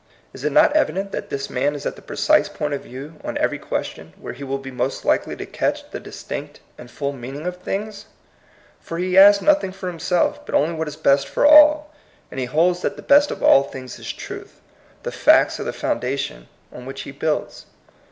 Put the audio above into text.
Is it not evident that this man is at the precise point of view on every question where he will be most likely to catch the distinct and full meaning of things ? For he asks nothing for himself, but only what is best for all. And he holds that the best of all things is truth. The facts are the foun dation on which he builds.